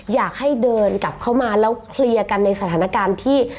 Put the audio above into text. อยากให้เดินกลับเข้ามาแล้วเคลียร์กันในสถานการณ์ที่